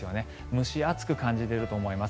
蒸し暑く感じると思います。